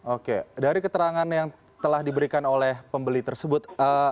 oke dari keterangan yang telah diberikan oleh pembeli tersebut